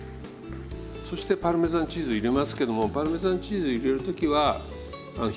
そしてパルメザンチーズ入れますけどもパルメザンチーズ入れる時は火を止めましょう。